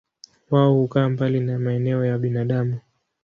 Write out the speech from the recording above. Wao hukaa mbali na maeneo ya binadamu.